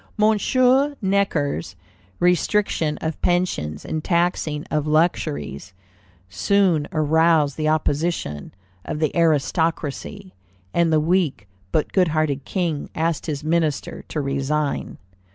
Monsieur Necker's restriction of pensions and taxing of luxuries soon aroused the opposition of the aristocracy, and the weak but good hearted King asked his minister to resign.